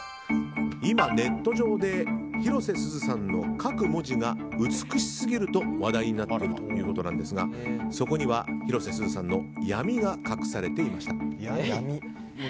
今、ネット上で広瀬すずさんの書く文字が美しすぎると話題になっているということなんですがそこには広瀬すずさんの闇が隠されていました。